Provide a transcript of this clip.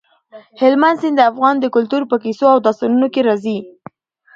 هلمند سیند د افغان کلتور په کیسو او داستانونو کې راځي.